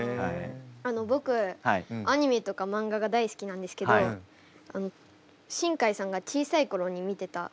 僕アニメとか漫画が大好きなんですけど新海さんが小さい頃に見てたアニメとかありますか？